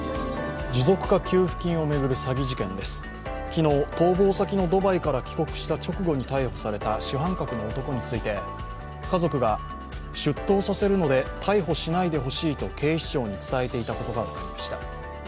昨日、逃亡先のドバイから帰国した直後に逮捕された主犯格の男について家族が出頭させるので逮捕しないでほしいと警視庁に伝えていたことが分かりました。